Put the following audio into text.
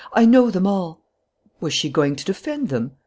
I know them all." Was she going to defend them?